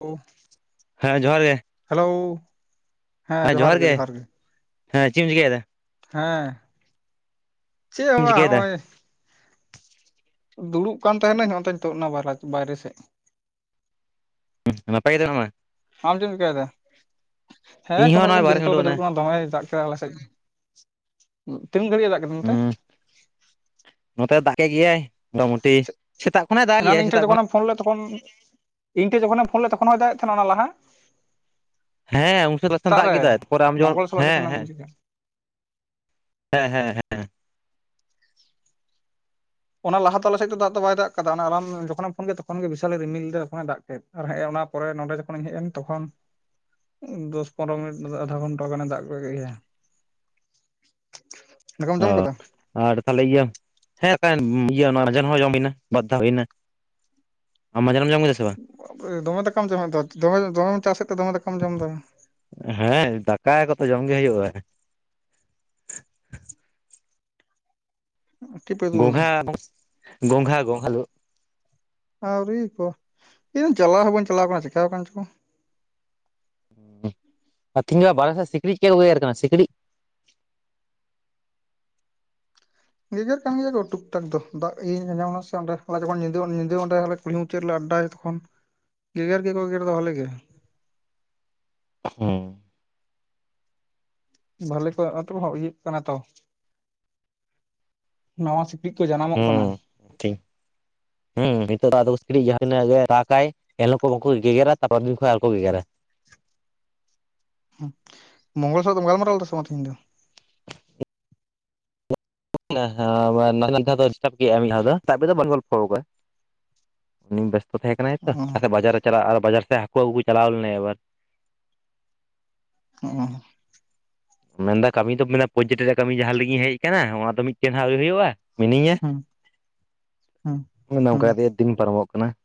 ᱳ᱾ ᱦᱮ ᱡᱚᱦᱟᱨ ᱜᱮ᱾ ᱦᱮᱞᱳᱣ᱾ ᱦᱮ ᱡᱚᱦᱟᱨ ᱜᱮ, ᱦᱮᱸ ᱪᱤᱢ ᱪᱤᱠᱟᱹᱭ ᱫᱟ? ᱦᱮᱸ ᱪᱮ ᱦᱚᱸ ᱮᱢ ᱵᱟ ᱦᱚᱸ ᱪᱤᱠᱟᱹᱭᱮᱫᱟ ᱚᱭ᱾ ᱫᱩᱲᱩᱵ ᱠᱟᱱ ᱛᱟᱦᱮᱱᱟᱹᱧ ᱦᱚ ᱚᱱᱛᱮᱧ ᱛᱳᱜ ᱱᱟ ᱵᱟᱦᱨᱮᱪ ᱵᱟᱭᱨᱮ ᱥᱮᱡ᱾ ᱩᱸᱦ ᱱᱟᱯᱟᱭ ᱜᱮᱛᱚ ᱢᱮᱱᱟᱢᱟ? ᱟᱢ ᱪᱤᱢ ᱪᱮᱠᱟᱭ ᱫᱟ? ᱦᱮᱸ ᱤᱧ ᱠᱳᱱᱳ ᱦᱚᱸ ᱱᱚᱜᱼᱚᱭ ᱨᱚᱠᱚᱢ ᱵᱟᱨᱦᱮᱧ ᱫᱤᱱᱠᱟᱞ ᱠᱚ ᱩᱰᱩᱠ ᱮᱱᱟ ᱪᱟᱞᱩᱜ ᱠᱟᱱᱟ ᱫᱚᱢᱮᱭ ᱫᱟᱜ ᱛᱚ ᱟᱞᱮ ᱥᱮᱡ ᱩᱸ ᱛᱤᱱ ᱜᱷᱟᱹᱲᱤᱡ ᱮ ᱫᱟᱜ ᱠᱟᱫᱟ ᱱᱚᱱᱛᱮ? ᱦᱩᱸ ᱱᱚᱛᱮ ᱫᱟᱜ ᱠᱮᱜ ᱜᱮᱭᱟᱭ ᱢᱚᱴᱟᱢᱚ ᱮᱱᱟᱱ ᱤᱧ ᱴᱷᱮᱡ ᱡᱚᱠᱷᱚᱱᱮᱢ ᱯᱷᱳᱱ ᱞᱮᱜ ᱛᱚᱠᱷᱚᱱ ᱤᱧ ᱴᱷᱮᱡ ᱡᱚᱠᱷᱚᱱᱮᱢ ᱯᱷᱳᱱ ᱞᱮᱫ ᱛᱚᱠᱷᱚᱱ ᱦᱚᱭ ᱫᱟᱜ ᱮᱫ ᱛᱷᱮᱱᱟ ᱚᱱᱟ ᱞᱟᱦᱟ? ᱦᱮᱸ ᱩᱱ ᱥᱮᱛᱟᱜ ᱫᱟᱜ ᱨᱮ ᱠᱮᱫᱟᱭ ᱛᱟᱨᱯᱚᱨᱮ ᱟᱢ ᱡᱚᱠᱷᱚᱱ ᱢᱚᱝᱜᱚᱞ ᱥᱟᱞᱟᱜ ᱦᱮᱸ ᱡᱚᱠᱷᱚᱱᱮᱢ ᱦᱮᱸ ᱤᱡᱟᱹ ᱠᱮᱜ᱾ ᱦᱮᱸ ᱦᱮᱸ ᱦᱮᱸ᱾ ᱚᱱᱟ ᱞᱟᱦᱟ ᱛᱚ ᱟᱞᱮ ᱥᱮᱡ ᱫᱚ ᱫᱟᱜ ᱫᱚ ᱵᱟᱭ ᱫᱟᱜ ᱟᱠᱟᱫᱟ ᱚᱱᱟ ᱨᱟᱱ ᱡᱚᱠᱷᱚᱱᱮᱢ ᱯᱷᱳᱱ ᱠᱮᱫ ᱛᱚᱠᱷᱚᱱ ᱜᱮ ᱵᱤᱥᱟᱞᱮ ᱨᱤᱢᱤᱞ ᱞᱮᱫᱟ ᱛᱚᱠᱷᱚᱱᱮ ᱫᱟᱜ ᱠᱮᱫ᱾ ᱟᱨ ᱦᱸ ᱚᱱᱟ ᱯᱚᱨᱮ ᱱᱚᱰᱮ ᱡᱚᱠᱷᱚᱱᱤᱧ ᱦᱮᱡ ᱮᱱ ᱛᱚᱠᱷᱚᱱ ᱫᱚᱥ ᱯᱚᱱᱨᱚ ᱢᱤᱱᱤᱴ ᱟᱫᱷᱟ ᱜᱷᱚᱱᱴᱟ ᱜᱟᱱᱮ ᱫᱟᱜ ᱠᱚ ᱜᱮᱭᱟ [inaudible] ᱫᱟᱠᱟᱢ ᱡᱚᱢ ᱚ ᱟᱠᱟᱫᱟ? ᱟᱨ ᱛᱟᱦᱞᱮ ᱤᱭᱟᱹ ᱦᱮᱸ ᱤᱭᱟᱹ ᱚᱱᱟᱡᱮᱱ ᱦᱚᱸ ᱡᱚᱢ ᱦᱩᱭᱱᱟ ᱵᱟᱫᱽᱫᱷᱟ ᱦᱩᱭᱱᱟ ᱟᱢ ᱢᱟᱡᱟᱱ ᱡᱚᱢᱠᱫᱟ ᱥᱮᱵᱟᱝ ᱫᱚᱢᱮ ᱫᱟᱠᱟᱢ ᱡᱚᱢᱮᱫ ᱫᱚᱢᱮ ᱫᱚᱢᱮᱢ ᱪᱟᱥᱮᱫ ᱛᱮ ᱫᱚᱢᱮ ᱫᱟᱠᱟᱢ ᱡᱚᱢ ᱮᱫᱟ ᱦᱮᱸ ᱫᱟᱠᱟᱭ ᱠᱚᱛᱚ ᱡᱚᱢ ᱜᱮ ᱦᱩᱭᱩᱜᱼᱟ ᱴᱤᱯ ᱮ ᱫᱩᱞ ᱜᱚᱝᱜᱷᱟ ᱜᱚᱝᱜᱷᱟ ᱜᱚᱝᱜᱷᱟ ᱞᱩᱜ ᱟᱹᱣᱨᱤ ᱠᱚ ᱤᱧ ᱪᱟᱞᱟᱣ ᱦᱚᱸ ᱵᱟᱹᱧ ᱪᱟᱞᱟᱣ ᱠᱟᱱᱟ ᱪᱤᱠᱟᱣᱠᱟᱱ ᱪᱚᱜᱽ ᱟᱨ ᱛᱦᱮᱧ ᱜᱟᱯᱟ ᱵᱟᱨᱮ ᱥᱮ ᱥᱤᱠᱲᱤᱡ ᱪᱮᱫ ᱠᱩ ᱜᱮᱜᱮᱨ ᱠᱟᱱᱟ ᱥᱤᱠᱲᱤᱡ ᱜᱮᱜᱮᱨ ᱠᱟᱱ ᱜᱮᱭᱟ ᱠᱚ ᱴᱩᱠ ᱴᱟᱠ ᱫᱚ ᱫᱟᱜ ᱤᱭᱟᱹᱧ ᱟᱸᱡ ᱮᱱᱟ ᱥᱮ ᱚᱸᱰᱮᱮ ᱡᱮᱚᱱ ᱧᱤᱫᱟᱹ ᱧᱤᱫᱟᱹ ᱚᱸᱰᱮ ᱠᱩᱞᱦᱤ ᱢᱩᱪᱟᱹᱫ ᱞᱮ ᱟᱰᱰᱟᱭ ᱛᱚᱠᱷᱚᱱ ᱜᱮᱜᱮᱨ ᱜᱮᱠᱚ ᱜᱮᱜᱮᱨ ᱫᱚ ᱵᱷᱟᱹᱞᱤ ᱜᱮ ᱦᱮᱸ ᱵᱷᱟᱞᱤ ᱠᱚᱨᱮ ᱟᱛᱳ ᱦᱚᱸ ᱤᱭᱟ ᱠᱟᱱᱟ ᱛᱚ ᱱᱟᱣᱟ ᱥᱤᱠᱲᱤᱡ ᱠᱚ ᱡᱟᱱᱟᱢᱚᱜ ᱠᱟᱱᱟ ᱴᱷᱤᱠ ᱦᱮᱸ ᱱᱤᱛᱚᱜ ᱫᱚ ᱟᱫᱚ ᱥᱤᱲᱤᱡ ᱡᱟᱦᱟᱸᱛᱤᱱᱟᱹ ᱫᱟᱜ ᱟᱭ ᱮᱱᱦᱚᱸ ᱵᱟᱠᱚ ᱜᱮᱜᱮᱨᱟ ᱛᱟᱨᱯᱚᱨ ᱫᱤᱱ ᱠᱷᱚᱱ ᱟᱨᱠᱚ ᱜᱮᱜᱮᱨᱟ ᱢᱚᱝᱚᱞ ᱥᱚᱣ ᱫᱚ ᱜᱟᱞ ᱢᱟ ᱨᱟᱣᱞᱫᱟᱚᱢ ᱞᱮᱫᱟᱢ ᱥᱮ ᱵᱟᱝ ᱛᱤᱦᱤᱧ ᱫᱚ [unintelligible] ᱢᱤᱫ ᱫᱷᱟᱣ [unintelligible] ᱫᱚ ᱛᱟᱨ ᱯᱚᱨ ᱫᱚ ᱵᱟᱞᱤᱧ ᱜᱚᱞᱯᱷᱚᱣᱟᱼ ᱩᱱᱤ ᱵᱮᱥᱛᱚ ᱛᱟᱦᱮᱸ ᱠᱟᱱᱟᱭ ᱛᱚ ᱦᱩᱸ ᱛᱟᱦᱚᱞᱮ ᱵᱟᱡᱟᱨᱮ ᱪᱟᱞᱟᱜᱼᱟ ᱟᱨ ᱵᱟᱡᱟᱨ ᱥᱮᱫ ᱦᱟᱹᱠᱩ ᱟᱹᱜᱩ ᱠᱚ ᱪᱟᱞᱟᱣ ᱞᱮᱱᱟᱭ ᱟᱵᱟᱨ ᱦᱮᱸ ᱢᱮᱱᱫᱟ ᱠᱟᱹᱢᱤ ᱫᱚ ᱢᱮᱱᱮ [unintelligible] ᱨᱮᱭᱟᱜ ᱠᱟᱹᱢᱤ ᱡᱟᱦᱟᱸ ᱞᱟᱹᱜᱤᱫ ᱤᱧ ᱦᱮᱡ ᱟᱠᱟᱱᱟ ᱚᱱᱟ ᱫᱚ ᱢᱤᱫᱴᱮᱱ ᱦᱸ ᱟᱹᱣᱨᱤ ᱦᱩᱭᱩᱜᱼᱟ [unintelligible] ᱦᱩᱸ ᱚᱱᱮ ᱦᱩᱸ ᱚᱱᱠᱟ ᱠᱟᱛᱮ ᱫᱤᱱ ᱯᱟᱨᱚᱢᱚᱜ ᱠᱟᱱᱟ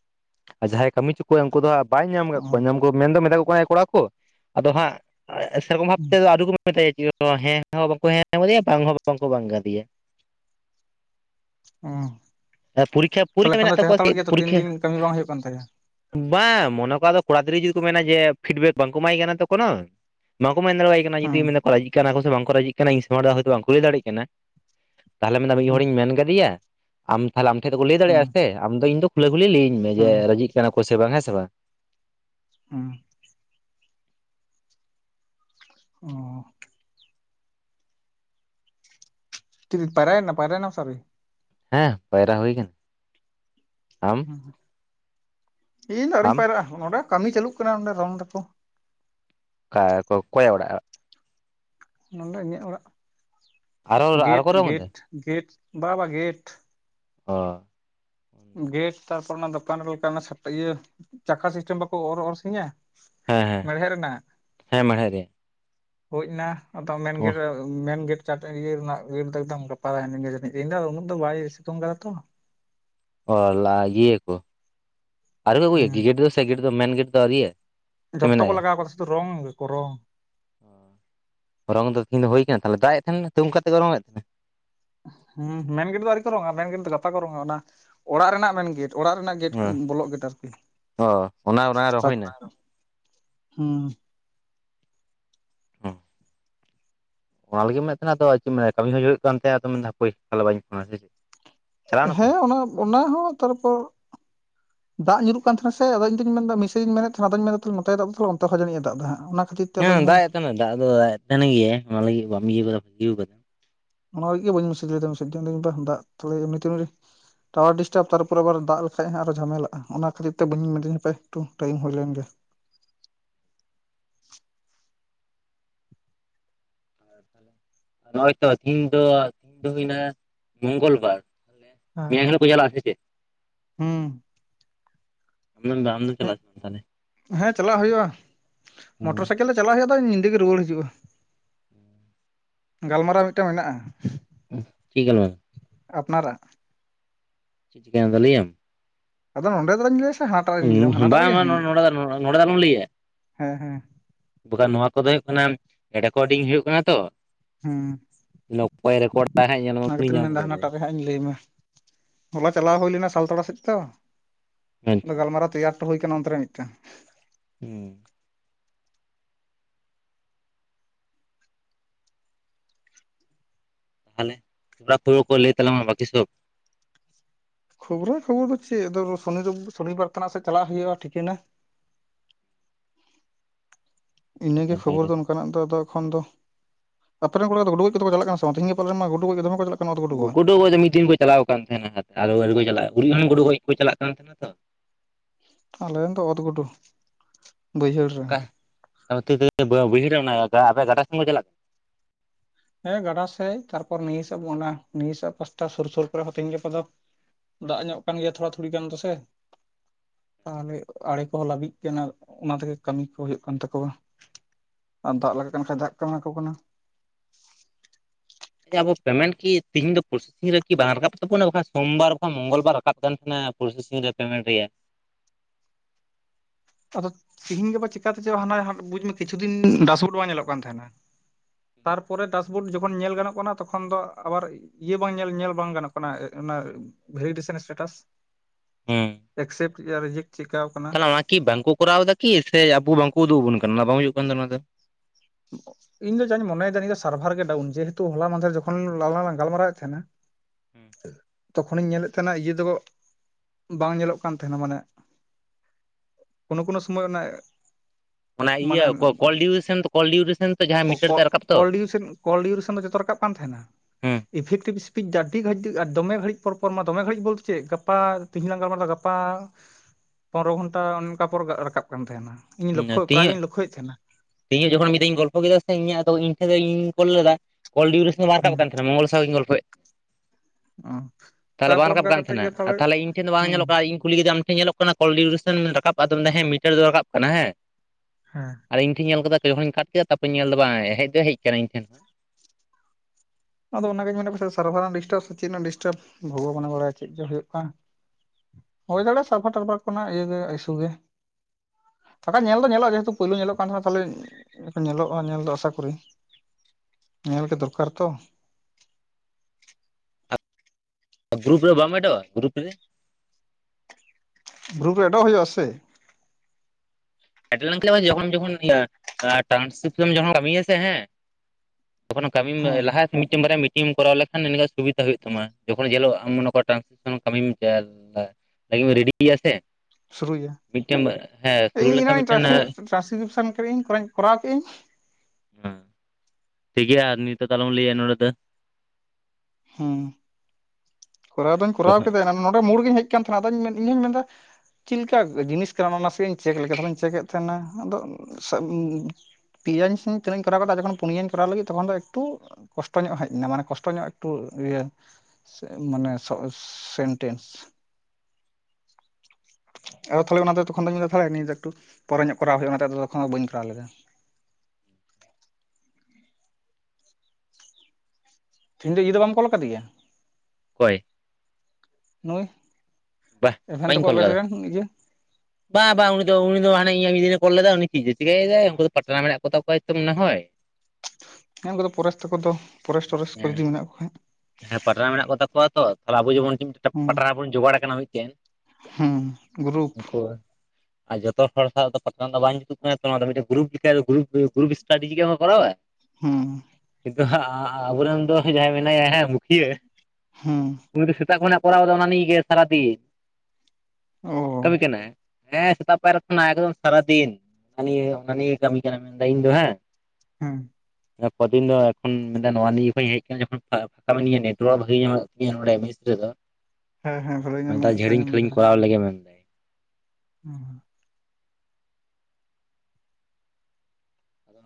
ᱟᱨ ᱡᱟᱦᱟᱸᱭ ᱠᱟᱹᱢᱤ ᱦᱚᱪᱚ ᱠᱚᱣᱟᱭ ᱩᱱᱠᱩ ᱫᱚ ᱦᱟᱸᱜ ᱵᱟᱭ ᱧᱟᱢ ᱚ ᱟᱠᱟᱫ ᱠᱚᱣᱟ ᱧᱟᱢ ᱢᱮ ᱫᱚ ᱢᱮᱛᱟ ᱠᱚ ᱠᱟᱱᱟᱭ ᱠᱚᱲᱟ ᱠᱚ ᱟᱫᱚ ᱦᱟᱸᱜ ᱥᱮᱨᱚᱠᱚᱢ ᱵᱷᱟᱵ ᱟᱼ [unintelligible] ᱪᱮᱫ ᱦᱮᱸ ᱦᱚᱸ ᱵᱟᱠᱚ ᱦᱮᱸ ᱟᱠᱟᱫᱮᱭᱟ ᱵᱟᱝ ᱦᱚᱸ ᱵᱟᱝᱠᱚ ᱵᱟᱝ ᱠᱟᱫᱮᱭᱟ ᱚ ᱯᱚᱨᱤᱠᱠᱷᱟ ᱛᱟᱦᱚᱞᱮ ᱯᱚᱨᱤᱠᱠᱷᱟ ᱮᱠᱷᱚᱱ ᱢᱮᱱᱟᱜ ᱫᱚ ᱛᱟᱠᱚᱣᱟ ᱪᱮ ᱪᱮᱦᱟᱛᱟᱲᱚᱜ ᱜᱮᱭᱟ ᱛᱚ ᱛᱤᱱ ᱯᱚᱨᱤᱠᱠᱷᱟ ᱫᱤᱱ ᱠᱟᱹᱢᱤ ᱵᱟᱝ ᱦᱩᱭᱩᱜ ᱠᱟᱱ ᱛᱟᱭᱟ ᱵᱟᱝ ᱢᱚᱱᱮ ᱠᱚᱼᱟ ᱫᱚ ᱠᱚᱲᱟ ᱜᱤᱫᱽᱨᱟᱹ ᱡᱩᱫᱤ ᱠᱚ ᱢᱮᱱᱟ ᱡᱮ ᱯᱷᱤᱰᱵᱮᱠ ᱵᱟᱝᱠᱚ ᱮᱢᱟᱭ ᱠᱟᱱᱟ ᱛᱚ ᱠᱳᱱᱚ ᱱᱚᱣᱟ ᱦᱚᱲᱠᱚ ᱢᱮᱱ ᱫᱟᱲᱮᱣᱟᱭ ᱠᱟᱱᱟ ᱦᱩᱸ ᱡᱩᱫᱤ ᱢᱮᱱᱫᱟ ᱠᱚ ᱨᱟᱡᱤ ᱠᱟᱱᱟ ᱠᱚ ᱥᱮ ᱵᱟᱝ ᱠᱚ ᱨᱟᱡᱤᱜ ᱠᱟᱱᱟ ᱤᱧ ᱥᱟᱢᱟᱝ ᱨᱮ ᱦᱚᱭᱛᱳ ᱵᱟᱝᱠᱚ ᱞᱟᱹᱭ ᱫᱟᱲᱮᱭᱟᱜ ᱠᱟᱱᱟ ᱛᱟᱦᱚᱞᱮ ᱢᱮᱱᱮᱫᱟ ᱢᱤᱫ ᱦᱚᱲᱤᱧ ᱢᱮᱱ ᱠᱟᱫᱮᱭᱟ ᱟᱢ ᱛᱟᱦᱚᱞᱮ ᱟᱢ ᱴᱷᱮᱱ ᱫᱚ ᱞᱟᱹᱭ ᱦᱩᱸ ᱫᱟᱲᱮᱭᱟᱜᱼᱟ ᱥᱮ ᱟᱢ ᱫᱚ ᱤᱧ ᱫᱚ ᱠᱷᱩᱞᱟᱹ ᱠᱷᱩᱞᱤ ᱞᱟᱹᱭᱟᱹᱧ ᱢᱮ ᱡᱮ ᱦᱩᱸ ᱨᱟᱡᱤᱜ ᱠᱟᱱᱟ ᱠᱚ ᱥᱮ ᱵᱟᱝ ᱦᱮᱸ ᱥᱮ ᱵᱟᱝ ᱦᱮᱸ ᱚ ᱛᱤ ᱯᱚᱨᱟᱭᱱᱟ ᱯᱟᱨᱟᱭᱱᱟ ᱮᱱᱟᱢ ᱥᱮ ᱟᱣᱨᱤ ᱦᱮᱸ ᱯᱟᱭᱨᱟ ᱦᱩᱭ ᱟᱠᱟᱱᱟ ᱟᱢ? ᱤᱧ ᱫᱚ ᱟᱣᱨᱤᱧ ᱟᱢ ᱯᱟᱭᱨᱟᱜᱼᱟ ᱱᱚᱸᱰᱮ ᱠᱟᱹᱢᱤ ᱪᱟᱹᱞᱩᱜ ᱠᱟᱱᱟ ᱚᱸᱰᱮ ᱨᱚᱝ ᱫᱟᱠᱚ [unintelligible] ᱚᱠᱚᱭᱟ ᱳᱲᱟ ᱱᱚᱰᱮ ᱤᱧᱟᱹᱜ ᱚᱲᱟᱜ ᱟᱨᱚ ᱟᱨᱚ ᱜᱮᱴ ᱠᱚ ᱨᱚᱝ ᱮᱫᱟ ᱜᱮᱴ ᱜᱮᱴ ᱵᱟᱵᱟ ᱜᱮᱴ ᱚ ᱜᱮᱴ ᱛᱟᱨᱯᱚᱨ ᱚᱱᱟ ᱫᱚᱠᱟᱱ ᱨᱮ ᱞᱮᱠᱟ ᱤᱭᱟᱹ ᱪᱟᱠᱷᱟ ᱥᱤᱥᱴᱮᱢ ᱵᱟᱠᱚ ᱚᱨ ᱚᱨ ᱥᱮᱧᱟ ᱦᱮᱸ ᱦᱮᱸ ᱢᱮᱲᱦᱮᱫ ᱨᱮᱱᱟᱜ ᱦᱮᱸ ᱢᱮᱲᱦᱮᱫ ᱨᱮᱭᱟᱜ ᱦᱩᱭ ᱮᱱᱟ ᱟᱫᱚ ᱚ ᱢᱮᱱᱜᱮᱴ ᱢᱮᱱ ᱜᱮᱴᱟ [unintelligible] ᱤᱭᱟᱹ ᱨᱮᱱᱟᱜ [unintelligible] ᱛᱤᱦᱤᱱ ᱫᱚ ᱩᱱᱟᱹᱜ ᱫᱚ ᱵᱟᱭ ᱥᱤᱛᱩᱝ ᱠᱟᱫᱟ ᱛᱚ ᱚ ᱞᱟᱹᱜᱤᱭᱟ ᱠᱚ ᱟᱨ ᱠᱚ ᱟᱜᱩᱭᱟ ᱦᱩᱸ ᱜᱮᱴ ᱫᱚ ᱥᱮ ᱜᱮᱴ ᱫᱚ ᱢᱮᱱ ᱜᱮᱴ ᱫᱚ ᱟᱹᱣᱤᱭᱟᱹ ᱥᱮ ᱡᱚᱛᱚ ᱠᱚ ᱢᱮᱱᱟᱜᱤᱭᱟ ᱞᱟᱜᱟᱣ ᱠᱟᱫᱟ ᱥᱩᱫᱷᱩ ᱨᱚᱝ ᱜᱮᱠᱚ ᱨᱚᱝ ᱨᱚᱝ ᱫᱚ ᱛᱤᱦᱤᱧ ᱦᱩᱭ ᱠᱟᱱᱟ ᱛᱟᱦᱚᱞᱮ ᱫᱟᱜ ᱮᱫ ᱛᱟᱦᱮᱱᱟ ᱛᱩᱵ ᱚᱱᱠᱟ ᱠᱟᱛᱮ ᱜᱮ ᱨᱚᱝ ᱮᱫ ᱛᱟᱦᱮᱱᱟ ᱦᱮᱸ ᱢᱮᱱᱜᱮᱴ ᱫᱚ ᱟᱨᱤ ᱠᱚ ᱨᱚᱝᱟ ᱢᱮᱱᱜᱮᱴ ᱫᱚ ᱜᱟᱯᱟ ᱠᱚ ᱨᱚᱝᱟ ᱚᱱᱟ ᱚᱲᱟᱜ ᱨᱮᱱᱟᱜ ᱢᱮᱱ ᱜᱮᱴ ᱚᱲᱟᱜ ᱨᱮᱱᱟᱜ ᱦᱮᱸ ᱵᱚᱞᱚᱜ ᱜᱮᱴ ᱟᱨᱠᱤ ᱚ ᱚᱱᱟ ᱚᱱᱟ ᱨᱚᱦᱚᱭᱱᱟ ᱦᱩᱸ [unintelligible] ᱚᱱᱟ ᱞᱟᱹᱜᱤᱫ ᱢᱮᱱᱮᱫ ᱛᱟᱦᱮᱱᱟ ᱟᱫᱚ ᱪᱮᱢ ᱢᱮᱱᱟ ᱠᱟᱹᱢᱤ ᱦᱚᱸ ᱦᱩᱭᱩᱜ ᱠᱟᱱ ᱛᱟᱭᱟ ᱟᱫᱚ ᱢᱮᱱ ᱦᱟᱯᱩᱭ ᱛᱟᱞᱮ ᱵᱟᱹᱧ ᱯᱷᱳᱱᱟ ᱥᱮᱪᱮᱫ ᱦᱮᱸ ᱚᱱᱟ ᱚᱱᱟ ᱦᱚᱸ ᱛᱟᱨᱯᱚᱨ [inaudible] ᱫᱟᱜ ᱧᱩᱨᱩᱜ ᱠᱟᱱ ᱛᱟᱦᱮᱱᱟ ᱥᱮ ᱟᱫᱚ ᱤᱧᱫᱩᱧ ᱢᱮᱱᱫᱟ ᱢᱮᱥᱮᱡ ᱤᱧ ᱢᱮᱱᱮᱫ ᱛᱟᱦᱮᱱᱟ ᱟᱫᱚᱧ ᱢᱮᱱᱫᱟ ᱱᱚᱛᱮᱭ ᱫᱟᱜᱫᱟ ᱚᱱᱛᱮ ᱦᱚᱸ ᱡᱟᱹᱱᱤᱡ ᱮ ᱫᱟᱜ ᱦᱟᱜ ᱚᱱᱟ ᱠᱷᱟᱹᱛᱤᱨ ᱛᱮ ᱟᱫᱚ ᱦᱮᱸ ᱤᱧᱦᱚᱧ ᱫᱟᱜ ᱮ ᱛᱟᱦᱮᱱᱟ ᱫᱟᱜ ᱫᱚ ᱫᱟᱜ ᱮ ᱛᱟᱦᱮᱱ ᱜᱮ ᱚᱱᱟ ᱞᱟᱹᱜᱤᱫ ᱵᱟᱢ ᱤᱭᱟᱹ ᱟᱠᱟᱫᱟ ᱵᱷᱟᱜᱤ ᱟᱠᱟᱫᱟ ᱚᱱᱟ ᱞᱟᱹᱜᱤᱫ ᱜᱮ ᱵᱟᱹᱧ ᱢᱮᱥᱮᱡ ᱞᱮᱫᱟ ᱢᱩᱥᱮᱡ ᱫᱚ ᱵᱟ ᱫᱟᱜ ᱛᱟᱦᱞᱮ ᱮᱢᱱᱤ ᱛᱮᱢᱱᱤ ᱴᱟᱣᱟᱨ ᱰᱤᱥᱴᱟᱯ ᱛᱟᱨᱯᱚᱨᱮ ᱟᱵᱟᱨ ᱫᱟᱜ ᱞᱮᱠᱷᱟᱡ ᱟᱨᱚ ᱡᱷᱟᱢᱮᱞᱟᱜᱼᱟ ᱚᱱᱟ ᱠᱷᱟᱹᱛᱤᱨ ᱛᱮ ᱵᱟᱹᱧ ᱢᱮ ᱢᱮᱱᱮᱫᱟᱹᱧ ᱦᱟᱯᱮ ᱮᱠᱴᱩ ᱴᱟᱭᱤᱢ ᱦᱩᱭ ᱞᱮᱱᱜᱮ [inaudible] ᱱᱚᱜᱼᱚᱭ ᱛᱚ ᱦᱤᱦᱤᱧ ᱫᱚ ᱛᱤ ᱫᱚ ᱦᱩᱭᱱᱟ ᱢᱚᱝᱜᱚᱞ ᱵᱟᱨ ᱦᱮᱸ ᱪᱟᱞᱟᱜ ᱟ ᱥᱮ ᱪᱮᱫ ᱦᱩᱸ ᱟᱢ ᱫᱚ ᱟᱢᱫᱚ ᱪ [unintelligible] ᱦᱮᱸ ᱪᱟᱞᱟᱜ ᱦᱩᱭᱩᱜᱼᱟ ᱢᱚᱴᱚᱨ ᱥᱟᱭᱠᱮᱞ ᱪᱟᱞᱟᱜ ᱦᱩᱭᱩᱜᱼᱟ ᱛᱚ ᱧᱤᱫᱟᱹ ᱜᱮ ᱨᱩᱣᱟᱹᱲ ᱦᱤᱡᱩᱜᱼᱟ ᱜᱟᱞᱢᱟᱨᱟᱣ ᱢᱤᱫᱴᱟᱝ ᱢᱮᱱᱟᱜᱼᱟ ᱪᱤ ᱜᱟᱞᱢᱟᱨᱟᱣ ᱟᱯᱱᱟᱨᱟᱜ ᱪᱮᱫ ᱪᱤᱠᱟᱹᱭᱱᱟ ᱫᱟ ᱞᱟᱹᱭᱟᱢ ᱟᱫᱚ ᱚᱰᱮ [unintelligible] ᱦᱩ ᱵᱟᱝ ᱵᱟᱝ ᱱᱚ ᱱᱚᱰᱮ ᱫᱚ ᱟᱞᱚᱢ ᱞᱟᱹᱭᱟ ᱦᱮᱸ ᱦᱮᱸ ᱵᱟᱠᱷᱟᱱ ᱱᱚᱣᱟ ᱠᱚᱫᱚ ᱦᱩᱭᱩᱜ ᱠᱟᱱᱟ ᱨᱮᱠᱚᱨᱰᱤᱝ ᱦᱩᱭᱩᱜ ᱠᱟᱱᱟ ᱛᱚ ᱦᱩᱸ ᱚᱠᱚᱭ ᱨᱮᱠᱚᱨᱫᱟ ᱠᱷᱟᱡ ᱧᱮᱞ ᱩᱱᱤ ᱧᱟᱢ ᱠᱟᱫᱟᱭ ᱟᱧ ᱞᱟᱹᱭᱟᱢᱟ ᱦᱚᱞᱟ ᱪᱟᱞᱟᱣ ᱦᱩᱭ ᱞᱮᱱᱟ ᱥᱟᱞᱛᱟᱲᱟ ᱥᱮᱫ ᱛᱚ ᱟᱪᱪᱷᱟ ᱜᱟᱞᱢᱟᱨᱟᱣ ᱛᱮᱭᱟᱨᱴᱚ ᱦᱩᱭ ᱟᱠᱟᱱᱟ ᱚᱱᱛᱮ ᱨᱮ ᱢᱤᱴᱮᱱ ᱦᱩᱸ ᱛᱟᱦᱚᱞᱮ ᱠᱷᱚᱵᱽᱨᱟ ᱠᱷᱚᱵᱚᱨ ᱠᱚ ᱞᱟᱹᱭ ᱛᱟᱞᱝᱟ ᱵᱟᱠᱤ ᱥᱚᱵᱽ ᱠᱷᱚᱵᱚᱨᱟ ᱠᱷᱚᱵᱚᱨ ᱫᱚ ᱪᱮᱫ ᱟᱚ ᱥᱚᱱᱤ ᱫᱚ ᱥᱚᱱᱤ ᱵᱟᱨ ᱛᱮᱱᱟᱜ ᱥᱮᱫ ᱪᱟᱞᱟᱜ ᱦᱩᱭᱩᱜᱼᱟ ᱴᱷᱤᱠᱟᱹᱱᱟ ᱤᱱᱟᱹᱜᱮ ᱠᱷᱚᱵᱚᱨ ᱫᱚ ᱱᱚᱠᱟ ᱚᱱᱠᱟᱱᱟᱜ ᱫᱚ ᱟᱫᱚ ᱮᱠᱷᱚᱱ ᱫᱚ ᱟᱯᱮᱨᱮ ᱠᱚᱲᱟ ᱫᱚ ᱜᱩᱰᱩ ᱜᱚᱡ ᱠᱚ ᱫᱚ ᱠᱚ ᱪᱟᱞᱟᱜ ᱠᱟᱱᱟ ᱥᱮ ᱵᱟᱝ ᱛᱤᱦᱤᱧ ᱜᱟᱯᱟ ᱞᱮᱨᱮᱱ ᱢᱟ ᱜᱩᱰᱩ ᱜᱚᱡ ᱫᱚᱢᱮ ᱠᱚ ᱠᱚᱸᱪᱟᱞᱟᱜ ᱠᱟᱱᱟ ᱜᱩᱰᱩ ᱜᱚᱡ ᱫᱚ ᱢᱤᱫ ᱫᱤᱱ ᱠᱚ ᱪᱟᱞᱟᱣ ᱠᱟᱱ ᱛᱟᱦᱮᱱᱟ ᱟᱨᱚ ᱟᱭᱹᱨᱤ ᱠᱚ ᱪᱟᱞᱟᱜᱼᱟ ᱩᱨᱤᱡ ᱦᱚᱸᱱ ᱜᱩᱰᱩ ᱜᱚᱡ ᱠᱚ ᱪᱟᱞᱟᱜ ᱠᱟᱱ ᱛᱟᱦᱮᱱᱟ ᱛᱚ ᱟᱞᱮᱨᱮᱱ ᱫᱚ ᱚᱛ ᱜᱩᱰᱩ ᱵᱟᱹᱭᱦᱟᱹᱲ ᱨᱮᱱ ᱠᱟ ᱵᱟᱹᱭᱦᱟᱹᱲ ᱨᱮ ᱚᱱᱟ ᱟᱯᱮ ᱜᱟᱰᱟ ᱥᱮᱱ ᱠᱚ ᱪᱟᱞᱟᱜ ᱠᱟᱱᱟ ᱦᱮᱸ ᱜᱟᱰᱟ ᱥᱮᱡ ᱛᱟᱨᱯᱚᱨ ᱱᱤᱭᱟᱹ ᱱᱤᱭᱟᱹ ᱥᱟᱜ ᱯᱟᱥᱴᱟ ᱥᱩᱨ ᱥᱩᱨ ᱠᱚ ᱛᱤᱦᱤᱧ ᱜᱟᱯᱟ ᱫᱚ ᱫᱟᱜ ᱧᱚᱜ ᱠᱟᱱ ᱜᱮᱭᱟ ᱛᱷᱚᱲᱟ ᱛᱷᱚᱲᱤ ᱜᱟᱱ ᱫᱚᱥᱮ ᱛᱟᱦᱚᱞᱮ ᱟᱲᱮ ᱠᱚᱦᱚᱸ ᱞᱟᱹᱵᱤᱜ ᱠᱟᱱᱟ ᱚᱱᱟ ᱛᱮᱜᱮ ᱠᱟᱹᱢᱤ ᱠᱚ ᱦᱩᱭᱩᱜ ᱠᱟᱱ ᱛᱟᱠᱚᱣᱟ ᱟᱨ ᱫᱟᱜ ᱞᱟᱜᱟ ᱠᱟᱱ ᱠᱷᱟᱡ ᱫᱟᱜ ᱠᱚ ᱮᱢᱟ ᱠᱚ ᱠᱟᱱᱟ ᱟᱵᱚ ᱯᱮᱢᱮᱱ ᱠᱤ ᱛᱮᱦᱤᱧ ᱫᱚ ᱯᱨᱚᱥᱮᱥᱤᱝ ᱨᱮ ᱠᱤ ᱵᱟᱝ ᱨᱟᱠᱟᱵ ᱛᱟᱵᱚᱱᱟ ᱵᱟᱠᱷᱟᱱ ᱥᱚᱢᱢᱟᱨ ᱵᱟᱠᱷᱟᱱ ᱢᱚᱝᱜᱚᱞ ᱵᱟᱨ ᱨᱟᱠᱟᱵ ᱠᱟᱱ ᱛᱟᱦᱮᱱᱟ ᱯᱨᱚᱥᱮᱥᱤᱝ ᱯᱮᱢᱮᱱ ᱨᱮᱭᱟᱜ ᱟᱫᱚ ᱛᱤᱦᱤᱧ ᱜᱟᱯᱟ ᱪᱤᱠᱟᱛᱮᱪᱚ ᱦᱟᱱᱟ ᱵᱩᱡ ᱢᱮ ᱠᱤᱪᱷᱩ ᱫᱤᱱ ᱰᱟᱥ ᱵᱳᱰ ᱵᱟᱝ ᱧᱮᱞᱚᱜ ᱠᱟᱱ ᱛᱟᱦᱮᱸᱱᱟ ᱛᱟᱨᱯᱚᱨᱮ ᱰᱟᱥᱵᱳᱰ ᱡᱚᱠᱷᱚᱱ ᱧᱮᱞ ᱜᱟᱱᱚᱜ ᱠᱟᱱᱟ ᱛᱚᱠᱷᱚᱱ ᱫᱚ ᱟᱵᱟᱨ ᱤᱭᱟᱹ ᱵᱟᱝ ᱧᱮᱞ ᱧᱮᱞ ᱵᱟᱝ ᱜᱟᱱᱚᱜ ᱠᱟᱱᱟ ᱚᱱᱟ ᱵᱷᱨᱤᱴᱮᱥᱚᱱ ᱮᱥᱴᱮᱴᱟᱥ ᱦᱩᱸ ᱪᱮᱠᱟᱣ ᱠᱟᱱᱟ ᱛᱟᱦᱞᱮ ᱚᱱᱟ ᱠᱤ ᱵᱟᱝᱠᱚ ᱠᱚᱨᱟᱣ ᱮᱫᱟ ᱠᱤ ᱥᱮ ᱟᱵᱚ ᱵᱟᱝᱠᱚ ᱩᱫᱩᱜ ᱟᱵᱚᱱ ᱠᱟᱱᱟ ᱵᱟᱝ ᱵᱩᱭᱩᱜ ᱠᱟᱱ ᱫᱚ ᱚᱱᱟ ᱫᱚ [inaudible] ᱤᱧ ᱫᱚ ᱡᱟᱧ ᱢᱚᱱᱭᱮᱫᱟ ᱱᱤᱭᱟᱹ ᱫᱚ ᱥᱟᱨᱵᱷᱟᱨ ᱜᱮ ᱰᱟᱣᱩᱱ ᱡᱮᱦᱮᱛᱩ ᱦᱚᱞᱟ ᱢᱟᱫᱷᱮᱨ ᱡᱚᱠᱷᱚᱱ ᱞᱟᱝ ᱜᱟᱞᱢᱟᱨᱟᱣᱮᱫ ᱛᱟᱦᱮᱸᱱᱟ ᱛᱚᱠᱷᱚᱱᱤᱧ ᱧᱮᱞᱮᱫ ᱛᱟᱦᱮᱱᱟ ᱤᱭᱟᱹ ᱫᱚ ᱵᱟᱝ ᱧᱮᱞᱚᱜ ᱠᱟᱱ ᱛᱟᱦᱮᱱᱟ ᱢᱟᱱᱮ ᱠᱳᱱᱳ ᱠᱳᱱᱳ ᱥᱚᱢᱚᱭ ᱚᱱᱮ ᱚᱱᱟ ᱤᱭᱟᱹ ᱠᱚᱞ ᱰᱤᱭᱩᱨᱮᱥᱮᱱ ᱠᱚᱞ ᱰᱤᱭᱩᱨᱮᱥᱚᱱ ᱛᱚ ᱡᱟᱦᱟᱸ ᱢᱤᱴᱟᱨ ᱛᱮ ᱨᱟᱠᱟᱵ ᱛᱚ ᱠᱚᱼᱠᱚᱼᱠᱚᱞ ᱰᱤᱭᱩᱥᱮᱱ ᱠᱚᱞ ᱰᱩᱭᱩᱨᱮᱥᱚᱱ ᱫᱚ ᱡᱚᱛᱚ ᱨᱟᱠᱟᱵ ᱠᱟᱱ ᱛᱟᱦᱮᱸᱱᱟ ᱤᱯᱷᱮᱠᱴᱤᱵᱽ ᱤᱥᱯᱤᱪ ᱫᱚ ᱟᱹᱰᱤ ᱜᱷᱟᱹᱲᱤᱡ ᱟᱨ ᱫᱚᱢᱮ ᱜᱷᱟᱹᱲᱤᱡ ᱯᱚᱨ ᱯᱚᱨ ᱢᱟ ᱫᱚᱢᱮ ᱜᱷᱟᱹᱲᱤᱡ ᱵᱚᱞᱛᱮ ᱪᱮᱫ ᱜᱟᱯᱟ ᱛᱮᱦᱮᱧ ᱞᱟᱝ ᱜᱟᱞᱢᱟᱨᱟᱣᱫᱟ ᱜᱟᱯᱟ ᱯᱚᱱᱨᱚ ᱜᱷᱚᱱᱴᱟ ᱚᱱᱠᱟ ᱯᱚᱨ ᱨᱟᱠᱟᱵ ᱠᱟᱱ ᱛᱟᱦᱮᱸᱱᱟ ᱤᱧ ᱞᱚᱠᱠᱷᱚ ᱯᱨᱟᱭᱜᱤᱧ ᱞᱚᱠᱠᱷᱚᱭᱮᱫ ᱛᱟᱦᱮᱸᱱᱟ ᱛᱮᱦᱮᱧ ᱡᱚᱠᱷᱚᱱ ᱢᱤᱫ ᱴᱤᱱ ᱤᱧ ᱜᱚᱞᱯᱚ ᱠᱮᱫᱟ ᱥᱮ ᱤᱧᱟᱹᱜ ᱛᱚ ᱤᱧ ᱴᱷᱮᱱ ᱫᱚᱧ ᱠᱚᱞ ᱞᱮᱫᱟ ᱠᱚᱞᱤᱭᱤ ᱵᱟᱝ ᱨᱟᱠᱟᱵ ᱦᱩᱸ ᱠᱟᱱ ᱛᱟᱦᱮᱸᱱᱟ ᱢᱚᱝᱜᱚᱞ ᱥᱟᱶ ᱜᱮ ᱜᱚᱞᱯᱚ ᱚ ᱛᱟᱦᱚᱞᱮ ᱵᱟᱝ ᱛᱟᱨᱯᱚᱨ ᱨᱟᱠᱟᱵ ᱚᱱᱠᱟ ᱠᱟᱱ ᱠᱟᱛᱮᱜ ᱛᱟᱦᱮᱸᱱᱟ ᱜᱮ ᱛᱟᱦᱚᱞᱮ ᱛᱟᱞᱦᱮ ᱤᱧ ᱴᱷᱮᱱ ᱫᱚ ᱵᱟᱝ ᱦᱩᱸ ᱧᱮᱞᱚᱜ ᱠᱟᱱᱟ ᱤᱧ ᱠᱩᱞᱤ ᱠᱮᱫᱟ ᱧᱮᱞᱚᱜ ᱠᱟᱱᱟ ᱠᱚᱞ ᱰᱤᱭᱩᱨᱮᱥᱚᱱ ᱨᱟᱠᱟᱵ ᱟ ᱦᱮᱸ ᱢᱤᱴᱟᱨ ᱫᱚ ᱨᱟᱠᱟᱵ ᱠᱟᱱᱟ ᱦᱮᱸ ᱦᱮᱸ ᱟᱨ ᱤᱧ ᱧᱮᱞ ᱠᱮᱫᱟ ᱡᱚᱭᱱᱤᱧ ᱠᱟᱱ ᱜᱮᱭᱟ ᱛᱟᱨᱛᱚᱨᱮ ᱧᱮᱞ ᱮ ᱵᱟᱝ ᱦᱮᱡ ᱫᱚ ᱦᱮᱡ ᱟᱠᱟᱱᱟ ᱤᱧ ᱴᱷᱮᱱ ᱦᱚᱸ ᱟᱫᱚ ᱚᱱᱟᱜᱮ ᱢᱮᱱᱮᱫ ᱠᱚ ᱥᱟᱨᱵᱟᱨ ᱨᱮ ᱰᱤᱥᱴᱟᱵᱽ ᱥᱮ ᱪᱮᱫ ᱰᱤᱥᱴᱟᱵᱽ ᱵᱷᱚᱜᱚᱵᱟᱱ ᱜᱮᱭᱟ ᱵᱟᱲᱟᱭᱟ ᱪᱮᱫ ᱪᱚ ᱦᱩᱭᱩᱜ ᱠᱟᱱ᱾ ᱦᱳᱭ ᱫᱟᱲᱮᱭᱟᱜᱼᱟ ᱥᱟᱨᱵᱟᱨ ᱛᱟᱨᱵᱟᱨ ᱠᱷᱚᱱᱟᱜ ᱤᱭᱟᱹ ᱜᱮ ᱤᱥᱩ ᱜᱮ ᱵᱟᱠᱷᱟᱡ ᱧᱮᱞ ᱫᱚ ᱧᱮᱞᱚᱜᱼᱟ ᱡᱮᱦᱮᱛᱳ ᱯᱳᱭᱞᱳ ᱧᱮᱞᱚᱜ ᱠᱟᱱ ᱛᱟᱦᱮᱸᱱᱟ ᱛᱟᱦᱞᱮ ᱧᱮᱞᱚᱜᱼᱟ ᱧᱮᱞ ᱫᱚ ᱟᱥᱟᱠᱤ ᱧᱮᱞ ᱜᱮ ᱫᱚᱨᱠᱟᱨ ᱛᱚ ᱜᱨᱩᱯ ᱨᱮ ᱵᱟᱢ ᱮᱰᱚᱼᱟ ᱜᱨᱩᱯ ᱨᱮ ᱜᱨᱩᱯ ᱨᱮ ᱮᱰᱚᱜ ᱦᱩᱭᱩᱜᱼᱟ ᱥᱮ? ᱮᱰ ᱞᱮᱱᱠᱷᱟᱱ ᱡᱚᱠᱷᱚᱱ ᱡᱚᱠᱷᱚᱱ ᱤᱭᱟᱹ ᱴᱟᱱᱥᱠᱨᱤᱯᱥᱚᱱ ᱠᱟᱹᱢᱮ ᱦᱮᱸ ᱛᱚᱠᱷᱚᱱ ᱠᱟᱹᱢᱤᱢ ᱦᱮᱸ ᱞᱟᱦᱟ ᱢᱤᱫᱴᱮᱱ ᱵᱟᱨᱭᱟ ᱢᱤᱴᱤᱝ ᱮᱢ ᱠᱚᱨᱟᱣ ᱞᱮᱠᱷᱟᱱ ᱤᱱᱟᱹᱜ ᱠᱷᱟᱱ ᱥᱩᱵᱤᱫᱷᱟ ᱦᱩᱭᱩᱜ ᱛᱟᱢᱟ ᱡᱚᱠᱷᱚᱱ ᱧᱮᱞᱚᱜᱼᱟ ᱚᱠᱟᱴᱟᱜ ᱠᱟᱹᱢᱤᱢ ᱞᱟᱹᱜᱤᱫ ᱮᱢ ᱨᱮᱰᱤᱭᱮᱫᱼᱟ ᱥᱮ ᱥᱩᱨᱩᱭᱟ ᱢᱤᱫᱴᱮᱱ ᱦᱮᱸ ᱤᱧ ᱥᱩᱨᱩ ᱮᱱᱟ ᱞᱮᱱᱠᱷᱟᱱ ᱢᱤᱫᱴᱮᱱ ᱴᱨᱟᱱᱥᱯ ᱴᱟᱱᱥᱠᱨᱤᱯᱥᱚᱱ ᱠᱟᱢᱤᱧ ᱠᱚᱨᱟᱣ ᱠᱮᱜᱼᱤᱧ ᱦᱮᱸ ᱴᱷᱤᱠ ᱜᱮᱭᱟ ᱱᱤᱛᱚᱜ ᱫᱚ ᱟᱞᱚᱢ ᱞᱟᱹᱭᱟ ᱱᱚᱸᱰᱮ ᱫᱚ ᱦᱮᱸ ᱠᱚᱨᱟᱣ ᱫᱚᱧ ᱠᱚᱨᱟᱣ ᱡᱚᱠᱷᱚᱱ ᱠᱮᱫᱟ ᱱᱚᱰᱮ ᱢᱳᱲ ᱜᱤᱧ ᱦᱮᱡ ᱠᱟᱱ ᱛᱟᱦᱮᱸᱱᱟ ᱟᱫᱚ ᱤᱧ ᱦᱚᱧ ᱢᱮᱱᱫᱟ ᱪᱮᱫ ᱞᱮᱠᱟ ᱡᱤᱱᱤᱥ ᱠᱟᱱᱟ ᱚᱱᱟ ᱱᱟᱥᱮᱭᱟᱜ ᱤᱧ ᱪᱮᱠ ᱞᱮᱠᱟ ᱛᱚ ᱤᱧ ᱪᱮᱠᱮᱫ ᱛᱟᱦᱮᱸᱱᱟ ᱟᱫᱚ ᱯᱮᱸᱭᱟ ᱡᱤᱱᱤᱥ ᱤᱧ ᱛᱤᱱᱟᱹᱜ ᱤᱧ ᱠᱚᱨᱟᱣ ᱠᱮᱫᱼᱟ ᱡᱚᱠᱷᱚᱱ ᱯᱩᱱᱤᱭᱟᱧ ᱠᱚᱨᱟᱣ ᱞᱟᱹᱜᱤᱫ ᱛᱚᱠᱷᱚᱱ ᱫᱚ ᱮᱠ ᱴᱤ ᱠᱚᱥᱴᱚ ᱧᱚᱜ ᱦᱮᱡ ᱮᱱᱟ ᱢᱟᱱ ᱠᱚᱥᱴᱚ ᱧᱚᱜ ᱴᱩ ᱤᱭᱟᱹ ᱢᱟᱱᱮ ᱥᱼᱥᱮᱱᱴᱮᱱᱥ [inaudible] ᱟᱫᱚ ᱛᱟᱦᱚᱞᱮ ᱚᱱᱟ ᱫᱚ ᱛᱚᱠᱷᱚᱱ ᱫᱚ ᱤᱧ ᱱᱤᱭᱟᱹ ᱫᱚ ᱮᱠᱴᱩ ᱯᱚᱨ ᱧᱚᱜ ᱠᱚᱨᱟᱣ ᱦᱩᱭᱩᱜᱼᱟ ᱚᱱᱟᱛᱮ ᱫᱚ ᱛᱚᱠᱷᱚᱱ ᱫᱚ ᱵᱟᱹᱧ ᱠᱚᱨᱟᱣ ᱞᱮᱫᱟ᱾ ᱛᱤᱦᱤᱧ ᱫᱚ ᱤᱭᱟᱹ ᱫᱚ ᱵᱟᱢ ᱠᱚᱞ ᱟᱠᱟᱫᱤᱧᱟ ᱚᱠᱚᱭ ᱱᱩᱭ ᱵᱟ ᱮᱵᱷᱮᱱ ᱵᱟᱹᱧ ᱛᱟᱠᱚ ᱠᱚᱞ ᱵᱮᱪ ᱠᱟᱫᱟ᱾ ᱨᱮᱱ ᱤᱭᱟᱹ ᱵᱟᱝ ᱵᱟᱝ ᱩᱱᱤ ᱫᱚ ᱩᱱᱤ ᱫᱚ ᱦᱟᱱᱮ ᱤᱧᱟᱹᱜ ᱢᱤᱫ ᱫᱤᱱᱮ ᱠᱚᱞ ᱞᱮᱫᱟ ᱩᱱᱤ ᱪᱮᱫ ᱮ ᱪᱤᱠᱟᱹᱭᱮᱫᱟᱭ ᱩᱱᱠᱩ ᱫᱚ ᱯᱟᱴᱱᱟ ᱢᱮᱱᱟᱜ ᱠᱚᱛᱟ ᱠᱟᱭ ᱢᱚᱱᱮ ᱦᱳᱭ [inaudible] ᱦᱮᱸ ᱩᱱᱠᱩ ᱫᱚ ᱯᱷᱚᱨᱮᱥ ᱛᱟᱠᱚ ᱫᱚ ᱯᱷᱚᱨᱮᱥᱴ ᱴᱚᱨᱮᱥᱴ ᱠᱚ ᱡᱩᱫᱤ ᱦᱮᱸ ᱢᱮᱱᱟᱜ ᱠᱚ ᱠᱷᱟᱱ ᱦᱮᱸ ᱯᱟᱴᱨᱟ ᱢᱮᱱᱟᱜ ᱠᱚᱛᱟᱣᱟ ᱛᱟᱦᱚᱞᱮ ᱟᱵᱚ ᱡᱮᱢᱚᱱ ᱯᱟᱴᱨᱟ ᱵᱚᱱ ᱡᱳᱜᱟᱲ ᱟᱠᱟᱱᱟ ᱢᱤᱫᱴᱮᱱ ᱦᱮᱸ ᱜᱨᱩᱯ ᱚᱠᱚᱨ ᱟᱨ ᱡᱚᱛᱚ ᱦᱚᱲ ᱥᱟᱶ ᱫᱚ ᱯᱟᱴᱱᱟᱨ ᱫᱚ ᱵᱟᱝ ᱡᱩᱛᱩᱜ ᱠᱟᱱᱟ ᱛᱚ ᱜᱨᱩᱯ ᱜᱨᱩᱯ ᱜᱨᱩᱯ ᱥᱴᱟᱰᱤ ᱪᱮᱠᱟᱭ ᱠᱚᱨᱟᱣᱟ ᱦᱮᱸ ᱱᱤᱛ ᱫᱚ ᱦᱟᱸᱜ ᱟᱵᱚᱨᱮᱱ ᱫᱚ ᱡᱟᱦᱟᱸᱭ ᱢᱮᱱᱟᱭᱟ ᱦᱮᱸ ᱢᱩᱠᱷᱤᱭᱟᱹ ᱦᱮᱸ ᱩᱱᱤ ᱫᱚ ᱥᱮᱛᱟᱜ ᱠᱷᱚᱱ ᱮ ᱠᱚᱨᱟᱣ ᱮᱫᱟ ᱚᱱᱟ ᱱᱤᱭᱟᱹ ᱜᱮ ᱥᱟᱨᱟᱫᱤᱱ ᱚ ᱠᱟᱹᱢᱤ ᱠᱟᱱᱟᱭ ᱦᱮᱸ ᱥᱮᱛᱟᱜ ᱯᱟᱭᱨᱟ ᱠᱷᱚᱱᱟᱜ ᱮᱠᱫᱚᱢ ᱥᱟᱨᱟᱫᱤᱱ ᱱᱤᱭᱮ ᱚᱱᱟ ᱱᱤᱭᱮ ᱠᱟᱹᱢᱤ ᱠᱟᱱᱟ ᱢᱮᱱᱫᱟ ᱤᱧ ᱫᱚ ᱦᱮᱸ ᱦᱮᱸ ᱠᱚᱫᱤᱱ ᱫᱚ ᱮᱠᱷᱚᱱ ᱢᱮᱱᱫᱟ ᱱᱚᱣᱟ ᱱᱤᱭᱟᱹ ᱠᱷᱚᱱ ᱤᱧ ᱦᱮᱡ ᱟᱠᱟᱱᱟ ᱡᱚᱠᱷᱚᱱ ᱛᱤᱭᱟᱹ ᱱᱮᱴᱣᱟᱨᱠ ᱵᱷᱟᱹᱜᱤ ᱧᱟᱢᱚᱜ ᱚᱱᱟᱛᱮ ᱱᱚᱰᱮ ᱢᱮᱥ ᱨᱮᱫᱚ ᱦᱮᱸ ᱦᱮᱸ ᱵᱷᱟᱞᱮ ᱧᱟᱢ ᱢᱮᱱ ᱫᱟᱭ ᱛᱟᱭ ᱡᱷᱟᱹᱲᱤᱧ ᱧᱟᱢ ᱠᱷᱟᱹᱞᱤᱧ ᱠᱚᱨᱟᱣ ᱞᱮᱜᱮ ᱢᱮᱱᱫᱟ ᱚ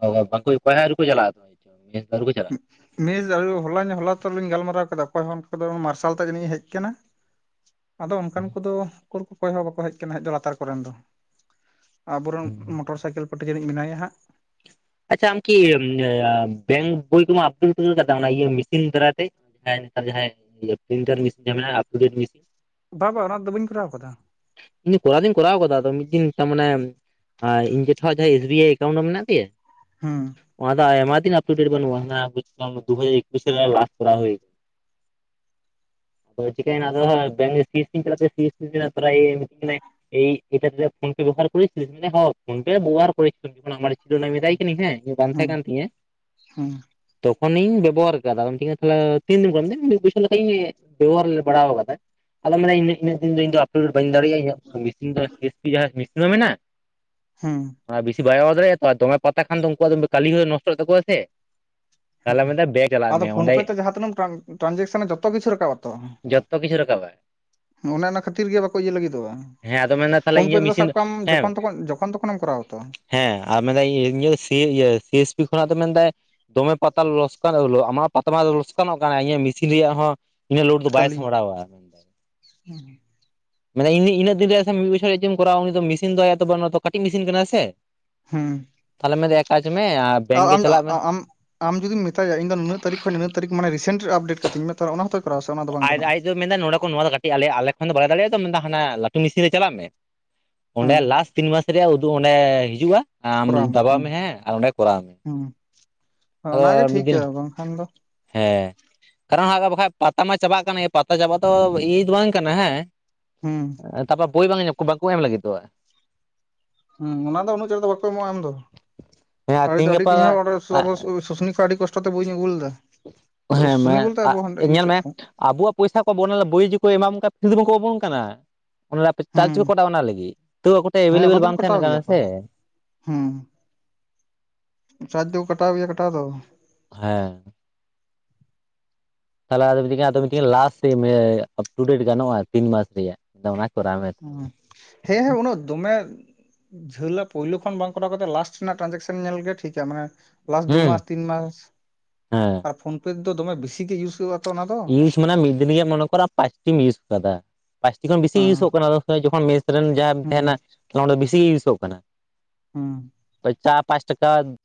ᱚ ᱵᱟᱝ ᱵᱟᱦᱟ ᱨᱮᱠᱚ ᱪᱟᱞᱟᱜᱼᱟ ᱢᱮᱥ ᱫᱚ ᱟᱹᱣᱨᱤ ᱠᱚ ᱪᱟᱞᱟᱜ ᱢᱮᱥ ᱫᱚ ᱦᱚᱞᱟ ᱦᱚᱞᱟ ᱛᱚᱞᱚᱧ ᱜᱟᱞᱢᱟᱨᱟᱣ ᱠᱮᱫᱟ ᱚᱠᱚᱭ ᱦᱚᱸ ᱫᱚ ᱢᱟᱨᱥᱟᱞ ᱛᱮ ᱡᱟᱹᱱᱤᱡ ᱤᱧ ᱦᱮᱡ ᱠᱟᱱᱟ [inaudible] ᱟᱫᱚ ᱚᱱᱠᱟᱱ ᱠᱚᱫᱚ ᱩᱠᱩᱨ ᱦᱚᱸ ᱵᱟᱠᱚ ᱦᱮᱡ ᱟᱠᱟᱱᱟ ᱞᱟᱛᱟᱨ ᱠᱚᱨᱮᱱ ᱫᱚ ᱟᱵᱚᱨᱮᱱ ᱢᱚᱴᱚᱨ ᱥᱟᱭᱠᱮᱞ ᱯᱟᱴᱤ ᱡᱟᱹᱱᱤᱡ ᱢᱮᱱᱟᱭᱟ ᱦᱟᱸᱜ ᱟᱪᱪᱷᱟ ᱟᱢᱠᱤ ᱵᱮᱝᱠ ᱵᱭ ᱠᱚᱢᱟ ᱟᱫᱩᱞ ᱠᱟᱫᱟ ᱤᱭᱟᱹ ᱢᱮᱥᱤᱱ ᱫᱟᱨᱟᱭᱛᱮ ᱡᱟᱦᱟᱸ ᱱᱮᱛᱟᱨ ᱡᱟᱦᱟᱸ ᱡᱟᱦᱟᱸ ᱴᱤᱱ ᱵᱟ ᱵᱟᱝ ᱚᱱᱟ ᱫᱚ ᱵᱟᱹᱧ ᱠᱚᱨᱟᱣ ᱟᱠᱟᱫᱟ ᱤᱧ ᱠᱚᱨᱟᱣ ᱫᱧ ᱠᱚᱨᱟᱣ ᱟᱠᱟᱫᱟ ᱟᱫᱚ ᱢᱤᱫ ᱫᱤᱱ ᱛᱟᱢᱟᱱᱮ ᱟᱨ ᱤᱧ ᱡᱮᱴᱮᱡ ᱡᱟᱦᱟᱸ ᱮᱥ ᱵᱤ ᱟᱭ ᱮᱠᱟᱩᱱᱴ ᱨᱮ ᱢᱮᱱᱟᱜ ᱛᱟᱣᱟ ᱦᱮᱸ ᱚᱱᱟ ᱫᱚ ᱟᱭᱢᱟ ᱫᱤᱱ ᱟᱯ ᱴᱩ ᱰᱮᱴ ᱵᱟᱹᱱᱩᱜ ᱫᱩ ᱦᱟᱡᱟᱨ ᱫᱩ ᱦᱟᱡᱟᱨᱟ ᱮᱠᱩᱥ ᱨᱮ ᱠᱟᱨᱟᱳ ᱦᱩᱣ ᱟᱠᱟᱱᱟ ᱟᱫᱚ ᱪᱟᱹᱭᱫᱚ ᱪᱟᱞᱟᱜᱟᱭ ᱤ ᱮᱴ ᱯᱷᱱ ᱯᱮ ᱵᱮᱵᱚᱦᱟᱨ ᱢᱟᱱᱮ ᱦᱚᱸ ᱯᱷᱱ ᱯᱮ ᱵᱮᱵᱚᱦᱟᱨ ᱡᱠᱷᱚᱱᱟᱨ ᱪᱤᱞᱢ ᱛᱟᱭ ᱦᱮᱸ ᱤᱧ ᱵᱟᱝ ᱛᱟᱦᱮᱸ ᱦᱩᱸ ᱠᱟᱱ ᱛᱤᱧᱟᱹ ᱦᱩᱸ ᱛᱚᱠᱷᱚᱱᱤᱧ ᱵᱮᱵᱚᱦᱟᱨ ᱟᱠᱟᱫᱟ ᱟᱢᱮ ᱛᱤᱱ ᱫᱤᱱ ᱠᱚᱟᱨ ᱢᱤᱫ ᱵᱩᱭᱥᱟᱹ ᱞᱮᱠᱷᱟ ᱤᱧ ᱵᱮᱵᱷᱟᱨ ᱵᱲᱟᱟᱣᱫᱟ ᱟᱫᱚᱢ ᱢᱮᱱᱟ ᱤᱱᱟᱹᱜ ᱫᱤᱱ ᱫᱚ ᱤ ᱟᱯ ᱴᱩ ᱴᱵᱟᱹ ᱫᱟᱲᱮᱭᱟᱜᱼᱟ ᱤᱧᱤᱥᱤᱱ ᱮᱥ ᱯᱤ ᱡᱟᱦᱟᱸ ᱢᱤᱥᱤᱱ ᱦᱚᱸ ᱢᱮᱱᱟᱜᱼᱟ [unintelligible] ᱦᱮᱸ ᱟᱨ ᱵᱮᱥᱤ ᱵᱟᱭ ᱮᱟᱣ ᱫᱟᱲᱮᱭᱟᱜᱼᱟ ᱛᱚ ᱟᱨ ᱫᱚᱢᱮ ᱯᱟᱛᱟ ᱠᱷᱟᱱ ᱫᱚ ᱩᱱᱠᱩᱣᱟᱜ ᱠᱟᱹᱞᱤ ᱦᱚᱸ ᱱᱚᱥᱴᱚᱜ ᱛᱟᱠᱚᱣᱟ ᱥᱮ ᱦᱮᱸ ᱛᱟᱦᱚᱞᱮ ᱢᱮᱱᱫᱟ ᱵᱮᱝᱠ ᱪᱟᱞᱟᱜ ᱢᱮ ᱟᱫᱚ ᱯᱷᱳᱱ ᱚᱸᱰᱮ ᱯᱮ ᱛᱮᱟᱸ ᱛᱤᱱᱟᱹᱜ ᱴᱨᱟᱱᱡᱮᱠᱥᱚᱱ ᱡᱚᱛᱚ ᱠᱤᱪᱷᱩ ᱨᱟᱠᱟᱵ ᱟᱛᱚ ᱛᱚ ᱠᱤᱪᱷᱩ ᱨᱟᱠᱟᱵᱟᱭ ᱚᱱᱮ ᱚᱱᱟ ᱠᱷᱟᱹᱛᱤᱨ ᱜᱮ ᱵᱟᱠᱚ ᱤᱭᱟᱹ ᱞᱟᱹᱜᱤᱫᱚᱜᱼᱟ ᱦᱮᱸ ᱟᱫᱚ ᱢᱮᱱᱫᱟ ᱛᱟᱦᱚᱞᱮ ᱯᱷᱳᱱ ᱯᱮ ᱤᱧᱟᱹᱜ ᱛᱮᱫᱚ ᱢᱮᱥᱤᱱ ᱥᱟᱵ ᱫᱚ ᱠᱟᱜ ᱢᱮ ᱦᱮᱸ ᱡᱚᱠᱷᱚᱱᱚ ᱡᱠᱷᱚᱱ ᱛᱚᱠᱷᱚᱱᱮᱢ ᱠᱚᱨᱟᱣᱟ ᱛᱚ ᱦᱮᱸ ᱟᱨ ᱢᱮᱱᱫᱟᱹᱧ ᱥᱤ ᱮᱥ ᱯᱤ ᱠᱷᱚᱱᱟᱜ ᱫᱚ ᱢᱮᱱᱫᱟᱭ ᱫᱚᱢᱮ ᱯᱟᱛᱟ ᱞᱚᱥᱠᱟᱱᱚᱜ ᱟᱢᱟᱜ ᱯᱟᱛᱟ ᱢᱟ ᱞᱚᱥᱠᱟᱱᱚᱜ ᱠᱟᱱᱟ ᱤᱧᱟᱹᱜ ᱢᱮᱥᱤᱱ ᱨᱮᱭᱟᱜ ᱦᱚᱸ ᱤᱱᱟᱹ ᱞᱳᱰ ᱫᱚ ᱵᱟᱭ ᱠᱟᱞᱤ ᱥᱟᱢᱵᱽᱲᱟᱣᱟ ᱢᱟᱱᱮ ᱤᱱᱟᱹᱜ ᱫᱤᱱ ᱨᱮ ᱢᱤᱫ ᱵᱚᱪᱷᱚᱨ ᱪᱮᱫ ᱮᱢ ᱠᱚᱨᱟᱣᱟ ᱩᱱᱤ ᱫᱚ ᱢᱮᱥᱤᱱ ᱫᱚ ᱛ ᱫᱚ ᱠᱟᱹᱴᱤᱡ ᱢᱮᱥᱤᱱ ᱠᱟᱱᱟ ᱥᱮ ᱦᱮᱸ ᱛᱟᱦᱚᱞᱮ ᱢᱮᱱᱫᱟᱣ ᱮᱠ ᱠᱟᱪ ᱢᱮ ᱟᱨ ᱵᱮᱝᱠ ᱜᱮ ᱪᱟᱞᱟᱜ ᱢᱮ ᱟᱢ ᱟᱢ ᱡᱩᱫᱤ ᱢᱮᱟᱭᱟ ᱤᱧ ᱫᱚ ᱱᱩᱱᱟᱜ ᱛᱟᱨᱤᱠ ᱨᱮᱧ ᱢᱟᱱᱮ ᱨᱮᱥᱮᱱᱴ ᱟᱯᱰᱮᱴ ᱠᱟᱛᱤᱧ ᱢᱮ ᱛᱟᱦ ᱚᱱᱟ ᱦᱚᱸᱚᱛᱭ ᱠᱚᱨᱣᱟ ᱚᱱᱟ ᱫᱚ ᱵᱟᱝ ᱜᱟᱱᱚᱜᱼᱟ ᱢᱮᱱᱫᱟᱣ ᱱᱚᱰᱮ ᱠᱷᱚᱱ ᱱᱚᱣᱟ ᱫᱚ ᱠᱟᱹᱴ ᱟᱞᱮ ᱟᱞᱮ ᱠᱷᱟᱱ ᱫᱚ ᱵᱟᱝᱞᱮ ᱫᱟᱲᱮᱼᱟ ᱛᱚ ᱢᱮᱱᱫᱟ ᱦᱟᱱᱟ ᱞᱟᱹᱴᱩ ᱢᱤᱥᱤᱱ ᱨᱮ ᱪᱟᱞᱟᱜ ᱢᱮ ᱚᱸᱰᱮ ᱦᱮᱸ ᱞᱟᱥᱴ ᱛᱤᱱ ᱢᱟᱥ ᱨᱮᱭᱟᱜ ᱩᱫᱩᱜ ᱚᱸᱰᱮ ᱦᱤᱡᱩᱜᱼᱟ ᱟᱢ ᱠᱚᱨᱟᱣ ᱫᱟᱵᱟᱣ ᱦᱩᱸ ᱢᱮ ᱦᱮᱸ ᱟᱨ ᱚᱸᱰᱮ ᱠᱚᱨᱟᱣ ᱢᱮ ᱦᱩᱸ ᱟᱫᱚ ᱚᱱᱟᱜᱮ ᱢᱤᱫ ᱴᱷᱤᱠ ᱫᱤᱱ ᱜᱮᱭᱟ ᱵᱟᱝᱠᱷᱟᱱ ᱫᱚ ᱦᱮᱸ ᱠᱟᱨᱚᱱ ᱵᱟᱠᱷᱟ ᱯᱟᱛᱟ ᱢᱟ ᱪᱟᱵᱟᱜ ᱠᱟᱱᱟ ᱯᱟᱛᱟ ᱪᱟᱵᱟᱜ ᱫᱚ ᱤᱭᱟᱹ ᱫᱚ ᱵᱟᱝ ᱠᱟᱱᱟ ᱦᱮᱸ ᱦᱩᱸ ᱛᱟᱯᱚᱨ ᱵᱳᱭ ᱵᱟᱝᱠ ᱮᱢ ᱞᱟᱹᱜᱤᱫᱚᱜ ᱦᱮᱸ ᱚᱱᱟ ᱫᱚ ᱩᱱᱟᱹᱜ ᱪᱮᱦ ᱫᱚ ᱵᱟᱠᱚᱮ ᱮᱢᱚᱜᱼᱟ ᱮᱢ ᱫᱚ ᱦᱮᱸ ᱟᱹᱰᱤ ᱛᱤᱦᱤᱧ ᱟᱹᱰᱤ ᱛ ᱤᱧᱦ ᱜᱟᱯᱟ ᱦᱚᱸ ᱟ ᱥᱩᱥᱱᱤ ᱠᱷᱚᱱ ᱟᱹᱰᱤ ᱠᱚᱥᱴᱚ ᱛᱮ ᱵᱳᱣ ᱟᱜᱩ ᱞᱮᱫᱟ ᱦᱮᱸ ᱢᱮ ᱥᱩᱥᱱᱤ ᱵᱚᱞᱛᱮ ᱟᱵᱚ ᱦᱟᱸᱰᱮ ᱤᱭᱟᱹ ᱧᱮᱞ ᱴᱷᱮᱡ ᱢᱮ ᱠᱷᱚᱱ ᱟᱵᱚᱣᱟᱜ ᱯᱚᱭᱥᱟ ᱠᱚᱵᱚᱱ ᱚᱱᱟ ᱵᱳᱤᱡᱤ ᱠᱚ ᱮᱢᱟᱢᱚᱱ ᱠᱟᱱᱟ ᱯᱷᱤᱨᱤ ᱫᱚ ᱵᱟᱠ ᱮᱢᱟᱢ ᱠᱟᱱᱟ ᱚᱱᱟ ᱪᱟᱨ ᱦᱩᱸ ᱠᱚ ᱠᱟᱴᱟᱣ ᱚᱱᱟ ᱞᱟᱹᱜᱤᱫ ᱛᱚ ᱟᱠᱚᱴᱮᱱ ᱮᱵᱮᱞᱮᱵᱮᱞ ᱵᱟᱝ ᱛᱟᱦᱮᱱᱟ ᱠᱟᱱᱟ ᱥᱮ ᱦᱮᱸ ᱪᱫᱽ ᱫᱚᱣ ᱠᱟᱴᱟᱣ ᱜᱮᱣᱟ ᱠᱟᱴᱟᱣ ᱫᱚ ᱦᱮᱸ ᱛᱟᱦᱚᱞᱮ ᱟᱫ ᱟᱫᱣ ᱢᱤᱛᱤᱧ ᱠᱟᱱᱟ ᱠᱟᱫ ᱟᱯ ᱴᱩᱰᱮᱴ ᱜᱟᱱᱚᱜᱼᱟ ᱛᱤᱱ ᱢᱟᱥ ᱨᱮᱭᱟᱜ ᱚᱱᱟ ᱠᱚᱨᱟᱣ ᱢᱮ ᱛᱟᱦᱚᱞᱮ ᱦᱮᱸ ᱦᱮᱸ ᱩᱱᱟᱜ ᱫᱚᱢᱮ ᱡᱷᱟᱹᱞᱟ ᱯᱳᱭᱞᱳ ᱠᱷᱚᱱ ᱵᱟᱝ ᱠᱚᱨᱟᱣ ᱠᱟᱛᱮ ᱞᱟᱥᱴ ᱨᱮᱱᱟᱜ ᱴᱨᱟᱱᱡᱮᱠᱥᱚᱱ ᱧᱮᱞ ᱜᱮ ᱴᱷᱠᱟ ᱢᱟᱱᱮ ᱞᱟᱥ ᱫᱩᱢᱟᱥ ᱦᱩᱸ ᱛᱤᱱᱢᱟᱥ ᱦᱮᱸ ᱟᱨ ᱯᱷᱳᱱ ᱯᱮ ᱛᱮᱫᱚ ᱫᱚᱢᱮ ᱵᱮᱥᱤ ᱜᱮ ᱤᱭᱩᱥ ᱦᱩᱭᱩᱜᱼᱟ ᱛᱚ ᱚᱱᱟ ᱫᱚ ᱤᱭᱩᱥ ᱢᱟᱱᱮ ᱢᱤᱫ ᱫᱤᱱ ᱜᱮ ᱢᱚᱱᱮ ᱠᱚᱨ ᱟ ᱯᱟᱸᱪᱴᱤᱢ ᱤᱭᱩᱤᱥ ᱟᱠᱟᱫᱟ ᱯᱟᱥᱴᱤ ᱠᱷᱚᱱ ᱵᱮᱥᱤ ᱦᱮᱸ ᱤᱭᱩᱥᱚᱜ ᱠᱟᱱᱟ ᱡᱚᱠᱷᱚᱱ ᱢᱮᱥ ᱨᱮᱱ ᱡᱟᱦᱟᱸ ᱦᱩᱸ ᱛᱟᱦᱮᱱᱟ ᱛ ᱚᱸᱰᱮ ᱵᱮᱥᱤᱜ ᱜᱮ ᱤᱭᱩᱥᱚᱜ ᱠᱟᱱᱟ ᱦᱩᱸ ᱯᱚᱭᱪᱟ ᱯᱟᱸᱪ ᱴᱟᱠᱟ